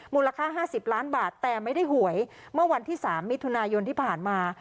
มูลค่า๕๐ล้านบาทแต่ไม่ได้หวยเมื่อวันที่๓มิถุนายนที่ผ่านมา